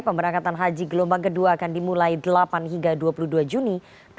pemberangkatan haji gelombang kedua akan dimulai delapan hingga dua puluh dua juni dua ribu dua puluh